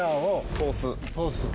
通す。